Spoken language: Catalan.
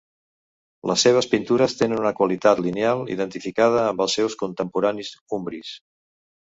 Les seves pintures tenen una qualitat lineal identificada amb els seus contemporanis umbris.